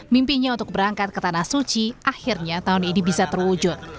mimpinya untuk berangkat ke tanah suci akhirnya tahun ini bisa terwujud